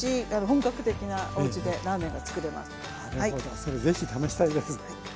それぜひ試したいです。